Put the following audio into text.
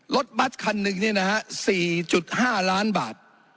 รถบัตรคันหนึ่งนี่นะฮะ๔๕ล้านบาท